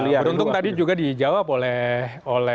beruntung tadi juga dijawab oleh